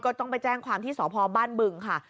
ก็ต้องไปแจ้งความที่สาธารณ์พนักงานบ้านบึงค่ะ